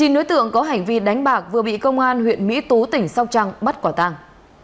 chín đối tượng có hành vi đánh bạc vừa bị công an huyện mỹ tú tỉnh sóc trăng bắt quả tàng